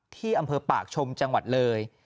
ที่อำเภอปากชมจังหวัดเลย